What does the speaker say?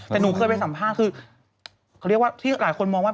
แต่หนูเคยไปสัมภาษณ์คือ